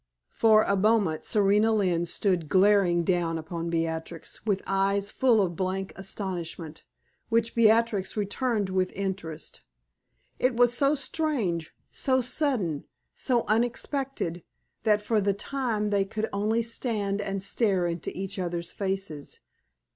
For a moment Serena Lynne stood glaring down upon Beatrix with eyes full of blank astonishment, which Beatrix returned with interest. It was so strange, so sudden, so unexpected, that for the time they could only stand and stare into each other's faces.